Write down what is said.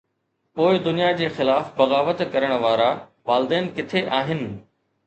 پوءِ دنيا جي خلاف بغاوت ڪرڻ وارا، والدين ڪٿي آهن؟